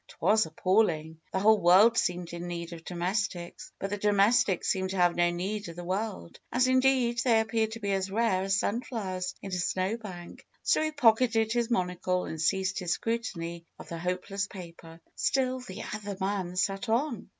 It was appalling ! The whole world seemed in need of domestics ; but the domestics seemed to have no need of the world, as, indeed, they appeared to be as rare as sunflowers in a snowbank. So he pock eted his monacle and ceased his scrutiny of the hopeless paper. Still the other man sat on!